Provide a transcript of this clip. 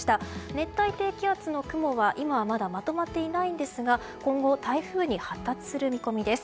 熱帯低気圧の雲は、今はまだまとまっていないんですが今後、台風に発達する見込みです。